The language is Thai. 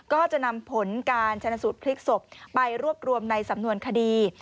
ก็จะนำผลการชนะสูตรพลิกศพไปรวบรวมในสำนวนคดี